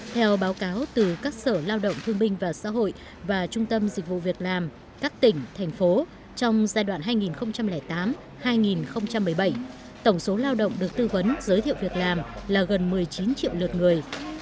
theo báo cáo từ các sở lao động thương binh và xã hội và trung tâm dịch vụ việc làm các tỉnh thành phố trong giai đoạn hai nghìn tám hai nghìn một mươi bảy tổng số lao động được tư vấn giới thiệu việc làm là gần một mươi chín triệu lượt người